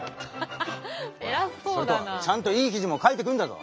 それとちゃんといい記事も書いてくるんだぞ。